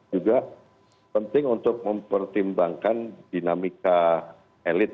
juga penting untuk mempertimbangkan dinamika elit